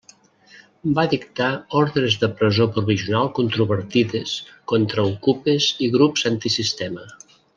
Va dictar ordres de presó provisional controvertides contra okupes i grups antisistema.